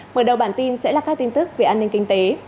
mở đầu bản tin sẽ là các tin tức về an ninh kinh tế